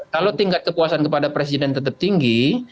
kalau tingkat kepuasan kepada presiden tetap tinggi